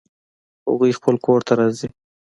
هغوی خپل کور ته راځي